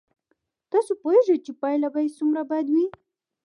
تاسو پوهېږئ چې پایله به یې څومره بد وي.